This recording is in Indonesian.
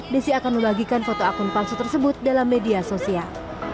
desi akan membagikan foto akun palsu tersebut dalam media sosial